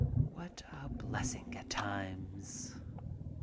What a blessing at times!